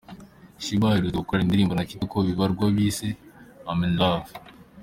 Sheebah aherutse gukorana indirimbo na Kitoko Bibarwa bise ‘I Am In Love’.